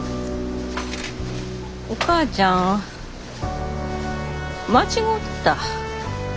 お母ちゃん間違うてた。